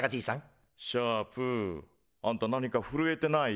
シャープあんた何かふるえてない？